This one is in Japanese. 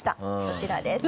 こちらです。